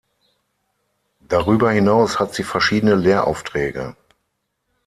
Darüber hinaus hat sie verschiedene Lehraufträge.